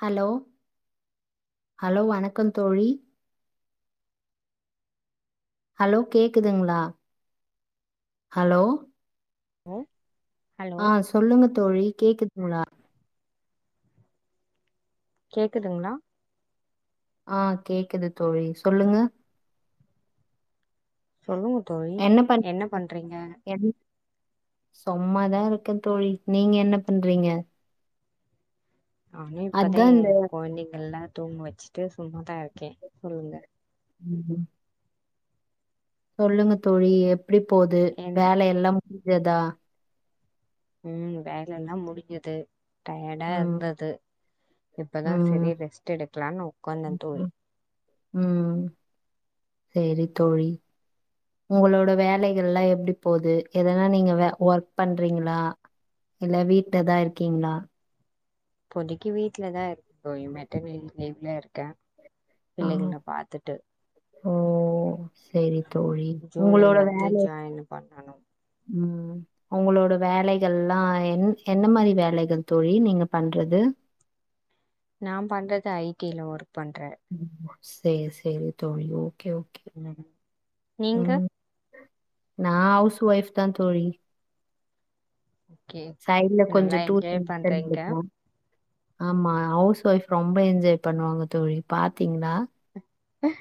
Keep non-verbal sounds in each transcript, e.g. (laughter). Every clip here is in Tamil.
ஹலோ ஹலோ வணக்கம் தோழி ஹலோ கேக்குதுங்களா ஹலோ ஆஹ ஆஹ் சொல்லுங்க தோழி கேக்குதுங்களா கேக்குதுங்களா ஆஹ் கேக்குது தோழி சொல்லுங்க சொல்லுங்க தோழி என்ன பண்றீங்க என் சும்மாதான் இருக்கன் தோழி நீங்க என்ன பண்றீங்க நானும் இப்பெதான் அதான் இந்த என் குழந்தைகள்லாம் தூங்க வச்சுட்டு சும்மாதான் இருக்கேன் சொல்லுங்க உஹம் உம் (inaudible) சொல்லுங்க தோழி எப்படி போகுது என் வேலெல்லாம் ஜதா உம் வேலை எல்லாம் முடிஞ்சுது டயர்டா ம் இருந்தது இப்தான் ம் செரி ரெஸ்ட் எடுக்கலான்னு கொந்தத்த (unintelligible) உம் சரி தோழி உங்களோட வேலைகல்லாம் எப்படி போகுது எதன்னா நீங்க ஒர்க் பண்றீங்களா இல்ல வீட்டுலதான் இருக்கீங்களா இப்போதைக்கு வீட்டுலதான் இருக்க மெட்டர்ன லீவ்ல இருக்கேன் ஆ பிள்ளைகள் பாத்துட்டு ஓ சரி தோழி ஜூலை உங்களோட மந்த்து வேலை ஜாயின் பண்ணணு உம் உங்களோட வேலைகள்ல்லாம் என் என்ன மாதிரி வேலைகள் தோழி நீங்க பண்றது நான் பண்றது ஐடில ஒரு பண்ற சேரி சேரி தோழியோ நீங்க நா ஹவுஸ் ஒய்ஃப்தா தோழி ம் சைடுல கொஞ்ச (unintelligible) ஆமா ஹவுஸ் ஒய்ஃப் ரொம்ப என்ஜாய் பண்ணுவாங்க தோழி பாத்தீங்னா அஹ்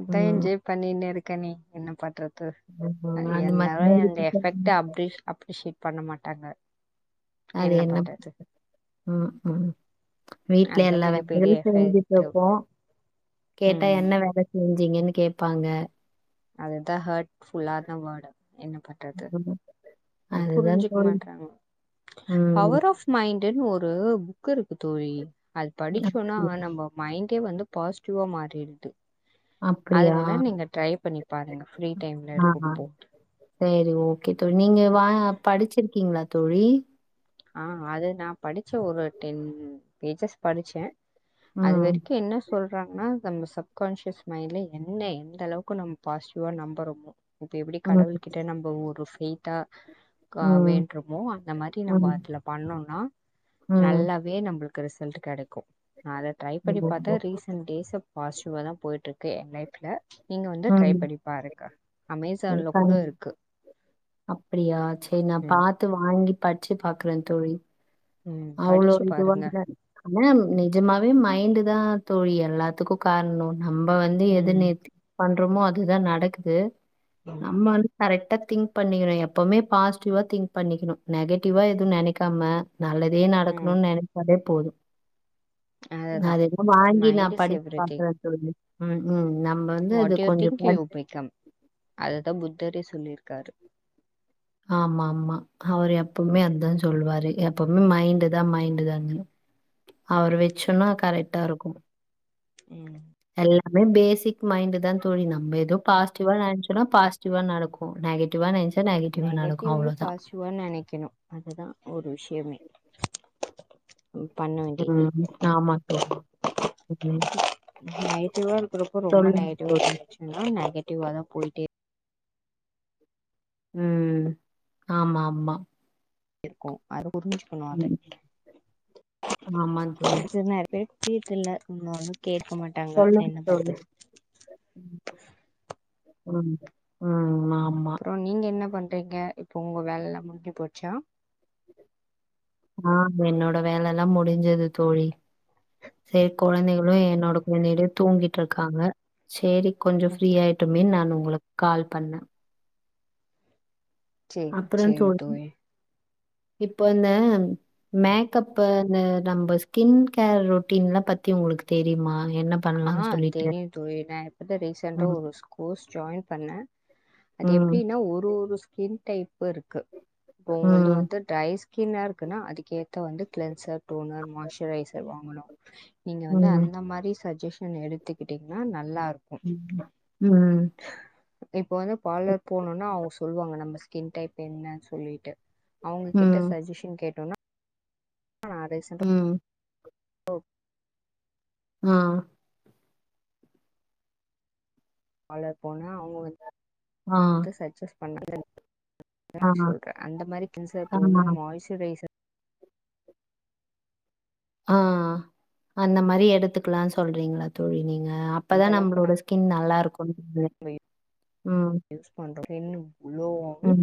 அதா என்ஜாய் பண்ணிணு இருக்கனே என்ன பண்றது அ ம் அது எல்லாரு மாதிரி அ்நத எஃபெக்ட அப்டிஸ் அப்ரிஷியேட் பண்ண மாட் ட்டாங்க என்ன பண்றது ஹம் ஹம் வீட்ல அதா எல்லா மிகப்பெரிய வேலயு எஃபெக்ட் செஞ்சுட்ருக்கோ கேட்டா ம் என்ன வேலை செஞ்சீங்கன்னு கேப்பாங்க அதுதா ஹட் (unintelligible) என்ன பண்றது ம் அதுதான் புரிஞ்சிக்க தோழி. மாட்றாங்க ம். பவர் ஆஃப் மைண் ப்டின்னு ஒரு புக் இருக் க்கு தோழி அது படிச்சோன்னா அப்படியா? நம்ப மைண்ட் க்கே வந்து பாசிட்டிவா மாறிடுது அத அப்படியா வேணா நீங்க ட்ரை பண்ணி பாருங்க ஃப்ரீ டைம்ல ஹஹ இருக்கப்போ செரி ஓகே தோழி நீங்க வா படிச்சிருக்கீங்களா தோழி ஆஹ் அது நான் படிச்சேன் ஒரு டென் பேஜஸ் படிச்சேன் ம். அதுவரைக்கு என்ன சொல்றாங்கன்னா நம்ம சப்கான்சியஸ் மைண்ட்ல என்ன எந்த அளவுக்கு நம்ம பாசிட்டிவா நம்புறோமோ இப்ப எப்டி ம். கடவுள் கிட்ட நம்ப ஒரு (unintelligible) க்க ம். வேண்டுமோ அந்த மாரி நம்ம ம். பண்ணும்னா ம். நல்லாவே நம்புள க்கு ரிசல்ட் கெடைக்கு நா அத ட்ரை பண்ணி பாத்தே ம். ரீசன்ட் டேஸ்ல பாசிட்டிவாதா போயிட்ருக் க்கு என் லைஃப்ல நீங்க வந்து ட்ரை உம் பண்ணி பாருங்க சரி அமேசான்ல கூட இருக்கு (unintelligible) அப்படியா சரி நா ம் பாத்து வாங்கி படிச்சு பாக்குறே தோழி ம் அவ்ளோ படிச்சு இதுவா பாருங்க ஆனா நிஜமாவே மைண்டு தா தோழி எல்லாத்துக்கு காரணோ நம்ம வந்து எது ம் நெத் பன் அப்பறமோ அது தா நடக்குது நம்ம வந்து கரக் திங்க் பண்ணிக்கணு எப்மே பாசிடிவா திங்க் பண்ணிக்கணு நெகிடிவா எது நெனைக்காம நல்லது இதே ம் நடக்கணுனு நெனைப்பதே போதும் அதுதா அதெல்லா வாங்கி நா மைண்ட் இஸ் படிச்சு எவ்ரி திங் பாக்குற தோலி ம் ம். நம்ம வந்து அது வாட் யூ கொஞ்சம் திங்க் யூ படிச்சு பிகம் அத தா புத்தரே சொ சொல்லிருக்காரு ஆமா ஆமா அவரு எப்மே அத தான் சொல்லுவாரு எப்மே மைண்டு தா மைண்டு் தானு அவரு வெச்சோனோ கரெட்டா இருக்கு ம் எல்லாமே பேசிக் மைண்ட் தா தோழி நம்ம எதோ பாசிட்டிவா நெனச்சசோனா பாசிட்டிவா நடக்கு நெகட்டிவா நெனச் நெகட்டிவ்லயு பாசிட்டிவா நெனைக்கணு அது தான் ஒரு விஷயமே (inaudible) ம். ஆமா தோழி. ம். சொல்லுங்க தோழி. நெகடிவா தா போய்ட்டே இ ம் ஆமா ஆமா இருக்கும் அரு புரிஞ்சுக்கணு அத ம். ஆமா தோழி. செரி செரி வீட்டுல (unintelligible) கேக்க மாட்டாங்க சொல்லுங்க என்ன தோழி. பண்றது உம் உம் ஆ அப்பறோம் நீங்க என்ன பண் பண்றிங்க இப்ப உங்க வேலல முடிஞ்சி போச்சா ஆ என்னோட வேல எல்லா முடிஞ்சது தோழி செரி கெழந்தைகளு என்னோட கெழந்தைகளு தூங்கிட்டு இருக்காங்க செரி கொஞ்சம் ஃப்ரீயா ஆயிட்டுமே நானு உங்களுக்கு கால் பண்ண செரி செரி தோழி இப்போ இந்த மேக்கப்பு அந்த நம்ம ஸ்கின் கேர் ரொட்டீன் எல்லா பத்தி உங்களுக்கு தெரியுமா என்ன ஆ பண்ணலாம்னு சொல்லிட்டு? தெரியு தோழி நா இப்பதா ரீசன்டா ம். ஒரு கோர்ஸ் ஜாயின் பண்ண அது ம். எப்படின்னா ஒரு ஒரு ஸ்கின் டைப் வறுக்கு உங்களுது ம். வந்து ட்ரைஸ் ஸ்கின்னா இருக்குன்னா அதுக்கேத்த வந்து கிளென்சர் டோனர் மாய்சரைஸர் வாங் முல நீங்க வந்து ம். அந்த மாதிரி இன்ஜெக்ஷன் எடுத்துக்கிட்டீங்கன்னா நல்லா இரு உம் உம் இப்ப வந்து பார்லர் போகணும்னா சொல்லுவாங்க நம்ம ஸ்கின் டைப் என்னன்னு சொல்லிட்டு அவங்ககிட்ட ம். சஜஷன் கேட்டோனா நா ரீசெண்டா உம் ஆஹ் வால போன அவங்க வந்து ஆ. டாக்டர் சாக்சன் பண்ண ஆ. சொல்றன் அந்த மாதிரி கின்ச தூ ஆமா. மா்சுரைசர் ஆஹ் அந்த மாதிரி இடத்துக்கெல்லாம் சொல்றீங்களா தோழி நீங்க எந்த அப்பதான் அளவுக்கு நம்மளோட ஸ்கின் நல்லா இருக்கும் உம் உம் உஹம்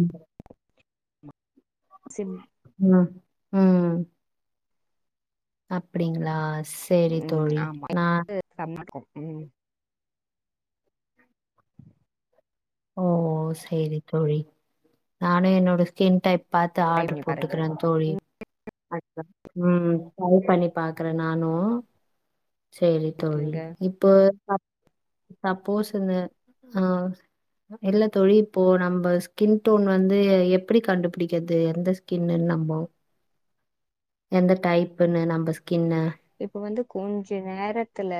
உம் உம் அப்படிங்களா சரி ம் தோழி ஆமா நான் செமயா இருக்கு ம் ஓ சரி தோழி நானும் என்னோட ஸ்கின் டைப் பாத்து ட்ரை ஆர்டரு பண்ணி பாருங்க போட்டுக்கிறேன் தோழி அ உம் டிரை பண்ணி பாக்குறேன் நானும் சரி தோழி ஓகேங்க இப்போ சப்போஸ் இந்த ஆஹ் இல்லத்தோழி இப்போ நம்ம ஸ்கின் டோன் வந்து எப்படி கண்டுபிடிக்கிறது எந்த ஸ்கின்ன்னு நம்ம எந்த டைப்புன்னு நம்ம ஸ்கின் இப்ப வந்து கொஞ்ச நேரத்துல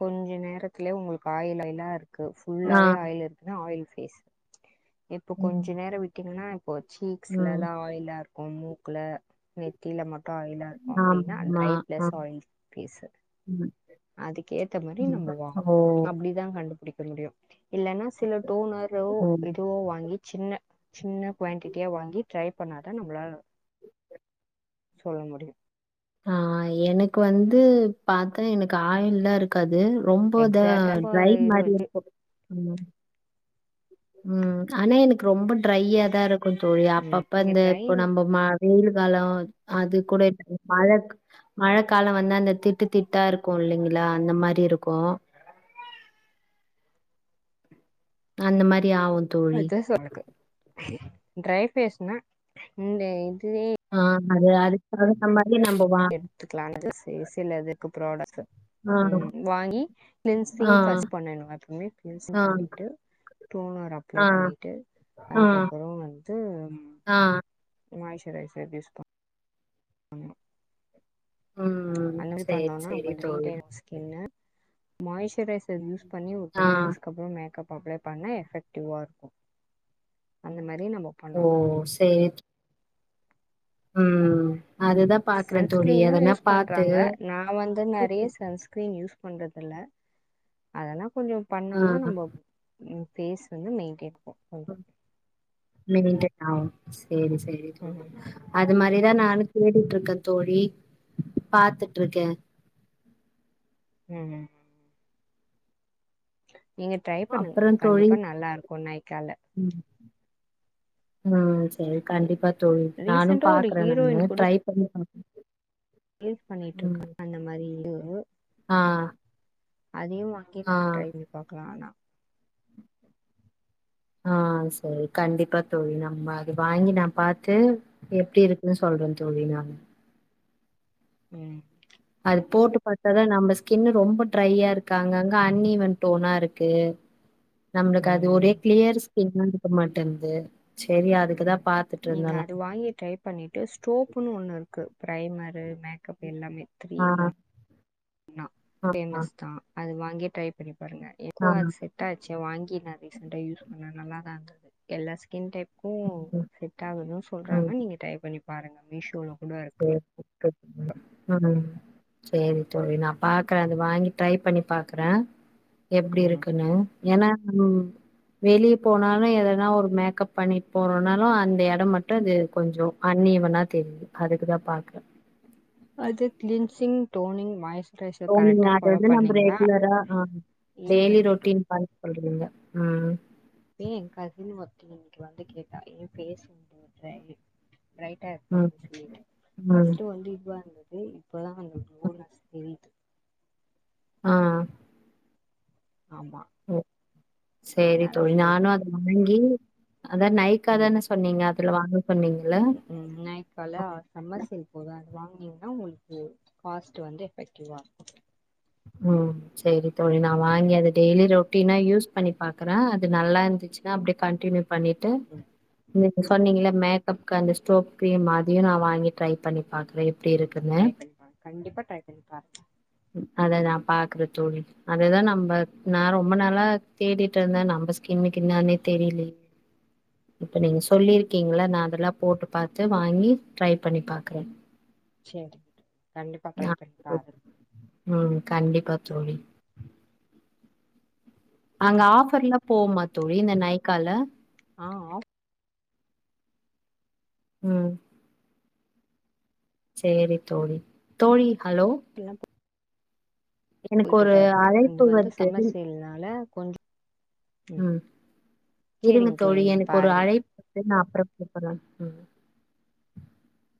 கொஞ்ச நேரத்துலயே உங்களுக்கு ஆயிலல்லாம் இருக்கு ஆ புல்லாவே ஆயில் இருக்குன்ன ஆயில் பேசு இப்ப ம் கொஞ்சம் நேரம் விட்டிங்கனா போ ம் சீக்ஸ்லலாம் எல்லாருக்கும் மூ குள்ள நெத்தியில மட் ஆயிலா இருக்கும் அப்படின்னா அந்த ஆமா ஆ ஃப்ரேச இருக்கும் ம் அதுக்கேத்த மாதிரி ம் நம்ம வாங்க ஓ அப்படிதான் கண்டுபிடிக்கணு முடியும் இல்லைன்னா சில டோனர்ரோ ஓ இதுவோ வாங்கி சின்ன சின்ன குவான்டிட்டியா வாங்கி ட்ரை பண்ணாதான் நம்ம சொல்ல முடியும் ஆஹ் எனக்கு வந்து பாத்தேன் எனக்கு ஆயிள்எல்லாம் இருக்காது ரொம்ப எக்ஸாக்டா தான் இப்ப பய்ன் இது மாதிரி இருக்கும் உம் உம் ஆனா எனக்கு ரொம்ப டிரையா தான் இருக்கும் தோழி ம் அப்பப்ப நீங்க இந்த இப்போ ட்ரைன்னு நம்ம வெயில் காலம் அது கூட இ மழை மழைக்காலம் வந்தா அந்த திட்டு திட்டா இருக்கும் இல்லைங்களா அந்த மாதிரி இருக்கும் அந்த மாதிரி அப்டி ஆவும்தோழி டிரை ஃபேஸ்னா இந்த ஆஹ் அது அதுக்கு பிரகரம் பண்ண எடுத்துக்கலாம் சில சில இதுக்கு ப்ராடக்ட் ஆ. உம் வாங்கி ஆ கிளின்சிங் பஸ்ட் பண்ணணும் எப்பமே கிளின்சிங் ஆ பண்ணிட்டு டோனர் அப்ளை ஆ பண்ணிட்டு ஆ அதுக்கப்புறம் வந்து ஆ மாய்சரைசர் யூஸ் பண்ண உம் ம் அந்த மாதிரி சேரி பண்ணும்னா சேரி அந்து தோழி ரீட்டெய்ல ஸ்கின்ன மாய்சரைசர் யூஸ் பண்ணி ஆ டென் மினிட்ஸ் அப்புறம் மேக்அப் அப்ளை பண்ணா எபக்ட்டிவ்வா இருக்கும் அந்த மாதிரி ஓ சரி உஹம் சன்ஸ்கிரீனும் யூஸ் பண்றாங்க நான் வந்து நெறைய சன்ஸ்கிரீன் யூஸ்ன் பண்றதுல்ல அதெல்லாம் இப்டி ஆ பண்ணோம்னா நம்ம ம் ம் பேஸ் வந்து மெயின்டெயன் இவங்க ஆம்ஸ் சரி சரிங்க ம் தோழிஅதான் அது மாதிரிதான் நானும் கேட்டுட்டு இருக்கேன் தோழி பாத்துட்டு இருக்கேன் உஹம் உஹம் நீங்க ட்ரை பண்ணுங்க அப்றோ தோழி கண்டிப்பா நல்லா இருக்கும் நாய்க்கால ஹும் சரி கண்டிப்பாதோழி நானும் ரீசெண்டா பாக்குறேன் நானு ட்ரை பண்ணி யூஸ் பண்ணிட்டு இருக்கான் அந்த மாதிரி இல் உ ஆஹ் அதையும் வாங்கி நம்ம ட்ரைபண்ணி பார்க்கலாம் ஆனா ஆஹ் சரி கண்டிப்பா தோழிநம்ம அது வாங்கி நான் பாத்து எப்படி இருக்குன்னு சொல்றேன்தோழி நான் உம் அது போட்டு பாத்தாதான் நம்ம ஸ்கின் ரொம்ப ட்ரையா இருக்காங்க அங்க அன்னிவன் டோனா இருக்கு நம்மளுக்கு அது ம் ஒரே கிளியர் என்னாந்துக்க மாட்டேதுங்குது நீங்க அது வாங்கி ட்ரை பண்ணிட்டு ஸ்டோப்ன்னு ஒண்ணு இருக்கு பிரைமரு மேக்கப் எல்லாமே ஆ கீரிமா நா ஆ ஆ பேமஸ் தான் அது வாங்கி ட்ரை பண்ணி பாருங்க ஆ எது அது செட்டாசு வாங்கி நான் ரீசொட்ன்டா யூஸ் பண்ணேன் நல்லா தான் இருந்தது எல்லா ஸ்கின் டைப் ஓ ம் செட் ஆகும்னு ம் சொல்றாங்க நீங்க ட்ரை பண்ணி பாருங்க மீஷோ கூட இருக்கும் உம் சரிதோழி நான் பாக்குறேன் அது வாங்கி ட்ரை பண்ணி பாக்குறேன் எப்படி ம் இருக்குன்னு ஏன்னா ம் வெளியே போனாலும் எதனா ஒரு மேக்கப் பண்ணிட்டு போறோம்னாலும் அந்த இடம் மட்டும் இது கொஞ்சம் அன்னீவனா தெரியுது அதுக்குதான் பாக்கு அது க்ளீன்சிங் டோனிங் மாய்ட ஓ நீங்க அத வந்து நம்ம ரெகுலரா ஆஹ் டெய்லி ஈவன் ஆயிடு ரொட்டன் பண் சொல்றீங்க உம் ஏ என் கசின் மத்தம் இன்னைக்கு வந்து கேன் நான் இருக்குறதா சொன்னேன் ரைட் ரைட்டா ம் இருக்காது தோழி ம் பர்ஸ்ட் வந்து இதுவா இருந்தது இப்பதான் அந்த டொல் தெரியுது ஆஹ ஆமா சரி அதனால தோழி சொல்றே நானும் அத வாங்கி அதான் நைக்காதானே சொன்னீங்க வாங்க சொன்னீங்கல்ல உம் நாயக்கால சமமர்செல் போடுறாங்கஅது வாங்க ஏன்னா உங்களுக்கு காஸ்ட் வந்து எஃபெக்டிவா இருக்கும் ஹம் சரி தோழி நான் வாங்கி அத டெய்லி ரொட்டீனா யூஸ் பண்ணி பாக்குறேன் அது நல்லா இருந்துச்சுன்னா அப்படியே கண்டின்யூ பண்ணிட்டு சொன்னீங்கள மேக்கப்க்கு அந்த ஸ்டோப் கிரீம் அதயையும் நான் வாங்கி ட்ரை பண்ணி பாக்குறேன் எப்படி ம் இருக்குன்னு ட்ரை பண்ணி பாருங்க கண்டிப்பா ட்ரை பண்ணிப்பாக்குறேன் அத நான் பாக்குற தோழி அதைதான் நம்ம நான் ரொம்ப நாளா தேடிட்டு இருந்தேன் நம்ம ஸ்கின்னுக்கு என்னன்னே தெரியலையே இப்ப நீங்க சொல்லிருக்கீங்கள நான் அதெல்லாம் போட்டு பார்த்து வாங்கி ட்ரை பண்ணிப் பாக்குறேன் சரிங்க கண்டிப்பா ட்ரை பண்ணிப் பாரு உம் கண்டிப்பா தோழி அங்க ஆஃபர்லாம் போமா தோழி இந்த நை்கால ஆஹ உம் சரி தோழி தோழி ஹலோ ஆஃபர்லா எனக்கு ஒரு போயிட்டுதா இருக்கு அது அழைப்பு வந்து வருது சம்மர் சேல்னால கொஞ்ச ம் உம் இருங்க சேரிங்க தோழி நீங்க எனக்கு ஒரு பாருங்க அழைப்பு வருது நான் அப்பலாம் (unintelligible)